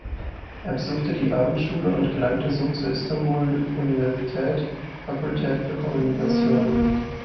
Er besuchte die Abendschule und gelangte so zur Istanbul Universität Fakultät für Kommunikation.